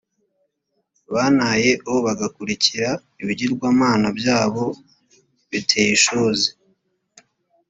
bantaye o bagakurikira ibigirwamana byabo biteye ishozi